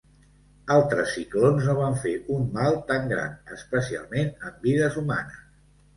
Altres ciclons no van fer un mal tan gran especialment en vides humanes.